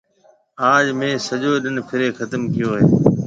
آج مهيَ سجو ڏن ڦرِيَ ختم ڪئيو هيَ۔